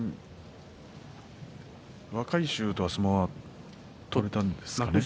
若い衆とは相撲は取れたんですかね。